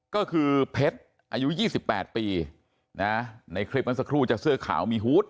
ก็คือเพชรอายุ๒๘ปีนะในคลิปมันสักครู่จะเสื้อขาวมีฮูต